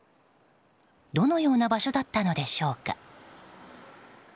どのような場所だったのでしょうか。